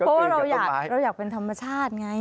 เพราะว่าเราอยากเป็นธรรมชาติไง